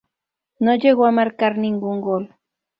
No llegó a marcar ningún gol.